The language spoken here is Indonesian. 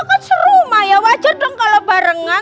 kan serumah ya wajar dong kalau barengan